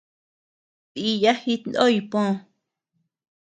Dìya jitnoy pö.